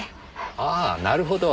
ああなるほど。